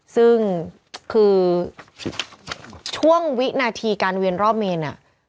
ซึ่งคือช่วงวินาทีการเวียนรอบเมน